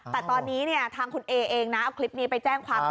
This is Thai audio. แต่ตอนนี้ทางคุณเอเองนะเอาคลิปนี้ไปแจ้งความ